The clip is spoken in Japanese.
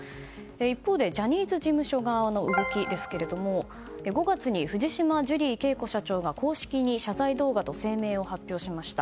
一方でジャニーズ事務所側の動きですが５月に藤島ジュリー恵子社長が公式に謝罪動画と声明を発表しました。